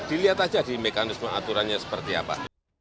dilihat aja di mekanisme aturannya seperti apa